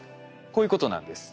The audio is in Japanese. こういうことなんです。